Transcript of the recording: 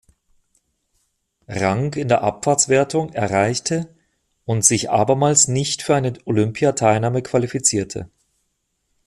Rang in der Abfahrtswertung erreichte und sich abermals nicht für eine Olympia-Teilnahme qualifizierte.